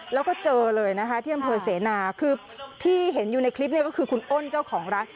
แล้วก็เจอเลยนะคะที่อำเภอเสนาคือที่เห็นอยู่ในคลิปนี้ก็คือคุณอ้นเจ้าของร้าน